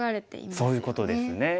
そういうことですよね。